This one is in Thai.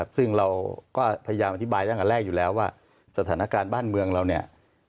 ซึ่งเราก็พยายามอธิบายตั้งแต่แรกอยู่แล้วว่าสถานการณ์บ้านเมืองเราเนี่ย